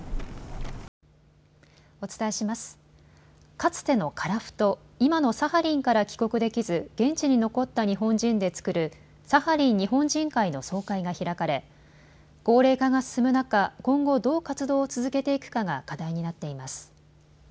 かつての樺太、今のサハリンから帰国できず現地に残った日本人で作るサハリン日本人会の総会が開かれ高齢化が進む中、今後どう活動を続けていくかが課題になっています。